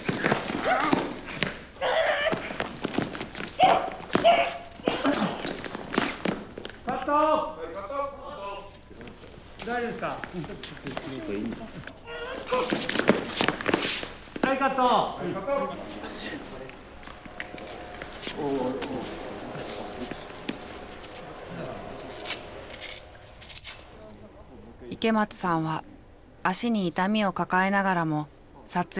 池松さんは足に痛みを抱えながらも撮影を乗り切りました。